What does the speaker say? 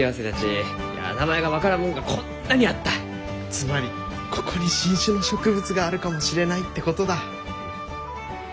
つまりここに新種の植物があるかもしれないってことだ？